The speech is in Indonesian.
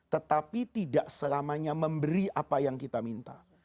tetapi tidak selamanya memberi apa yang kita minta